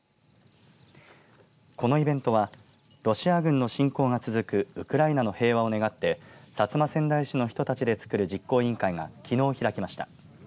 このイベントはロシア軍の侵攻が続くウクライナの平和を願って薩摩川内市の人たちでつくる実行委員会がきのう開きました。